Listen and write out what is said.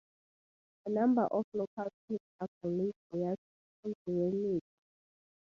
A number of local chiefs acknowledged their suzerainty.